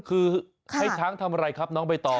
คือให้ช้างทำอะไรครับน้องใบตอ